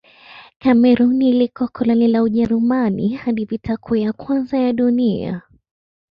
Kamerun ilikuwa koloni la Ujerumani hadi Vita Kuu ya Kwanza ya Dunia.